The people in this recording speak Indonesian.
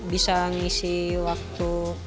bisa mengisi waktu